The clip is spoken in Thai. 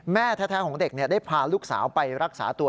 แม่แท้ของเด็กได้พาลูกสาวไปรักษาตัว